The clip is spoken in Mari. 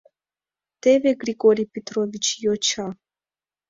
Теве Григорий Петрович йоча.